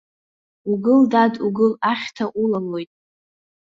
Угыл, дад, угыл, ахьҭа улалоит!